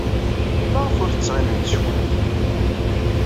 Maɣef ur tettɣimimt cwiṭ?